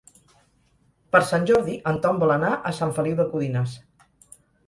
Per Sant Jordi en Ton vol anar a Sant Feliu de Codines.